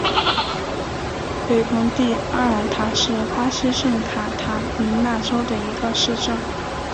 北蓬蒂阿尔塔是巴西圣卡塔琳娜州的一个市镇。